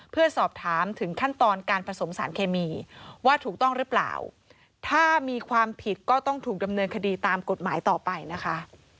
เพื่อสอบถามถึงขั้นตอนการผสมสารเคมีว่าถูกต้องหรือเปล่าถ้ามีความผิดก็ต้องถูกดำเนินคดีตามกฎหมายต่อไปนะคะ